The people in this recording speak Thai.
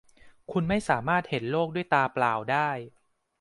คุณไม่สามารถเห็นโลกด้วยตาเปล่าได้